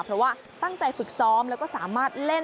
เพราะว่าตั้งใจฝึกซ้อมแล้วก็สามารถเล่น